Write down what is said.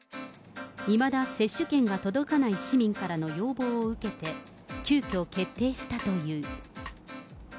いまだ接種券が届かない市民からの要望を受けて、急きょ決定したという。